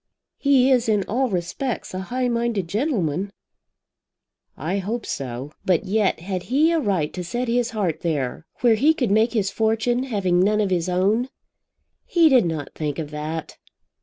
"He is in all respects a high minded gentleman." "I hope so. But yet, had he a right to set his heart there, where he could make his fortune, having none of his own?" "He did not think of that."